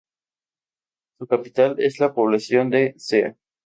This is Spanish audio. Su capital es la población de Zea.